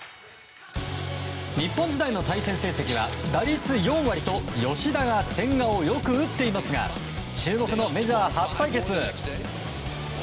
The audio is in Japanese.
日本時代の対戦成績は打率４割と吉田が千賀をよく打っていますが注目のメジャー初対決。